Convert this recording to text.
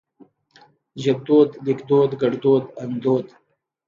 ژبدود ليکدود ګړدود اندود